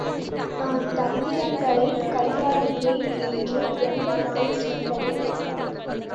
நான் தந்திரங்களைக் கையாளுகிறேன் என்று எந்த நாய் சொன்னது?